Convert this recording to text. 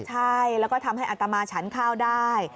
ใช่แล้วก็ทำให้อัตมาฉันข้าวได้